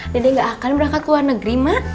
dede gak akan berangkat ke luar negeri ma